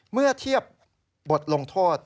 เมื่อเทียบบทลงโทษ